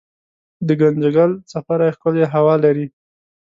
دګنجګل څپری ښکلې هوا لري